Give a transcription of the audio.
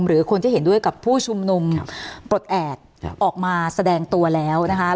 หรือคนที่เห็นด้วยกับผู้ชุมนุมปลดแอบออกมาแสดงตัวแล้วนะคะ